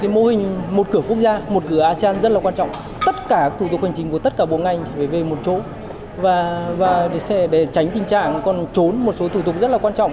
mô hình một cửa quốc gia một cửa asean rất là quan trọng tất cả thủ tục hành chính của tất cả bộ ngành phải về một chỗ và để tránh tình trạng còn trốn một số thủ tục rất là quan trọng